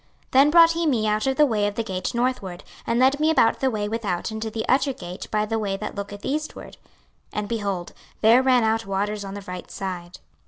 26:047:002 Then brought he me out of the way of the gate northward, and led me about the way without unto the utter gate by the way that looketh eastward; and, behold, there ran out waters on the right side.